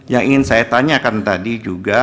yang ingin saya tanyakan tadi juga